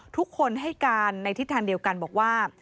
ทุกคนให้การในทิศทางเดียวกันบอกว่า